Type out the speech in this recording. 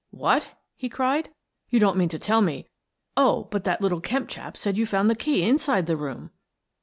"What?" he cried. "You don't mean to tell me — Oh, but that little Kemp chap said you found the key inside the room